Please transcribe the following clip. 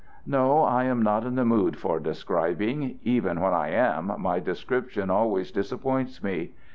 "No; I am not in the mood for describing. Even when I am, my description always disappoints me.